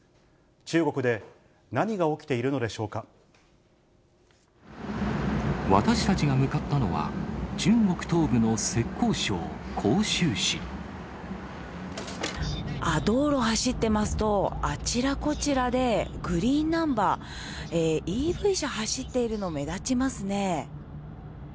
中国で何が起きているのでしょう私たちが向かったのは、あっ、道路走ってますと、あちらこちらでグリーンナンバー、ＥＶ車走っているの目立ちますね。